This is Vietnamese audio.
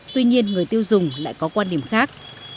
tuy nhiên người tiêu dùng lại có quan điểm khác